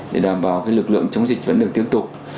để đảm bảo lực lượng chống dịch vẫn được tiếp tục